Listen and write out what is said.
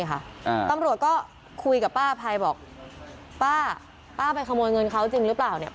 ตำรวจก็คุยกับป้าอภัยบอกป้าป้าไปขโมยเงินเขาจริงหรือเปล่าเนี่ย